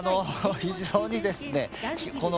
非常にですね